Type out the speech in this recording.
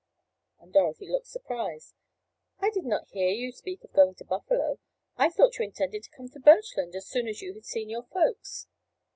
and Dorothy looked surprised. "I did not hear you speak of going to Buffalo. I thought you intended to come to Birchland as soon as you had seen your folks.